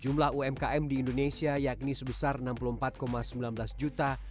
jumlah umkm di indonesia yakni sebesar enam puluh empat sembilan belas juta